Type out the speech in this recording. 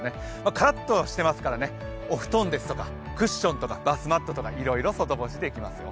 カラッとしてますから、お布団ですとかクッションとかバスマットとか、いろいろ外干しできますよ。